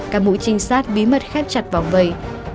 cả mũi trinh sát bí mật khép chặt vòng vầy